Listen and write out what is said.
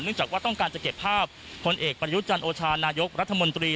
เนื่องจากว่าต้องการจะเก็บภาพคนเอกประยุจรรย์โอชานายกรัฐมนตรี